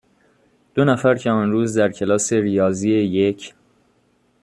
دو نفر که آن روز در کلاس ریاضی یک،